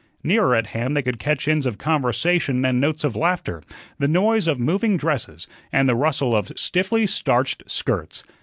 Nearer at hand they could catch ends of conversation and notes of laughter, the noise of moving dresses, and the rustle of stiffly starched skirts.